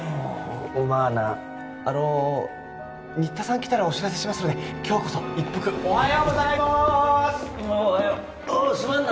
まあなあの新田さん来たらお知らせしますので今日こそ一服おはようございますおはようすまんな